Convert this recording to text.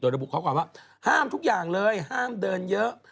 ระบุข้อความว่าห้ามทุกอย่างเลยห้ามเดินเยอะ